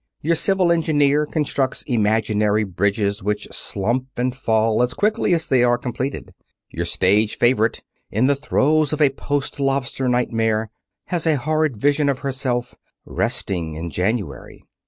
Your civil engineer constructs imaginary bridges which slump and fall as quickly as they are completed. Your stage favorite, in the throes of a post lobster nightmare, has a horrid vision of herself "resting" in January.